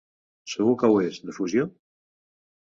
Segur que ho és, de fusió?